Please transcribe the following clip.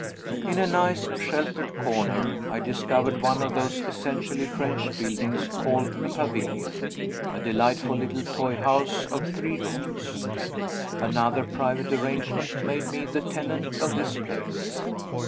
In a nice sheltered corner I discovered one of those essentially French buildings called a "pavilion," a delightful little toy house of three rooms. Another private arrangement made me the tenant of this place.